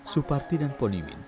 suparti dan poni min